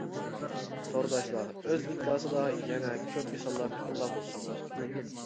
تورداشلار ئۆز ئىنكاسىدا يەنە كۆپ مىساللارنى ئالغان بولساڭلار.